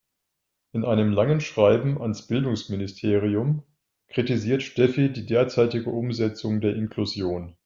In einem langen Schreiben ans Bildungsministerium kritisiert Steffi die derzeitige Umsetzung der Inklusion.